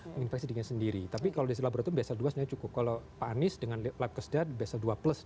yang infeksi sendiri tapi kalau di laboratorium bsl dua cukup kalau pak anies dengan lab kesedaran bsl dua plus